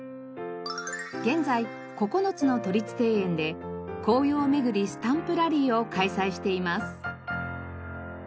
現在９つの都立庭園で「紅葉めぐりスタンプラリー」を開催しています。